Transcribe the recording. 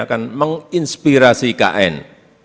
akan menginspirasi ikn